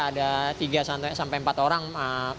ada tiga sampai empat orang masuk bengkel